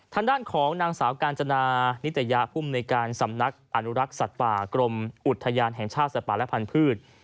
ทางด้านของนางสาวกาญจนานิตยะภูมิในการสำนักอนุรักษ์สัตว์ป่ากรมอุทยานแห่งชาติสัตว์ป่าและพันธุ์